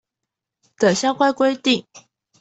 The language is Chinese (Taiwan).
等相關規定